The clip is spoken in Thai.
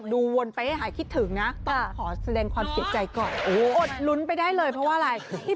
ส่วนในเรื่องภาพใหม่ของฮอแต๋วแตกเนี่ยมีป่าวพี่